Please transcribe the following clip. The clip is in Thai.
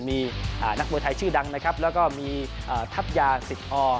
มีนักมวยไทยชื่อดังนะครับแล้วก็มีทัศยาสิทธอ